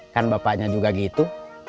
kan bapaknya juga gitu